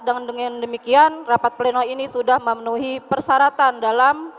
dengan demikian rapat pleno ini sudah memenuhi persyaratan dalam